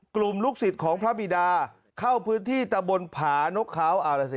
กลุ่มลูกศิษย์ของพระบิดาเข้าพื้นที่ตะบนผานกเขา